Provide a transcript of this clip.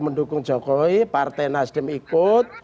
mendukung jokowi partai nasdem ikut